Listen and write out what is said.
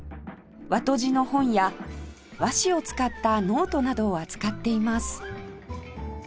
和とじの本や和紙を使ったノートなどを扱っています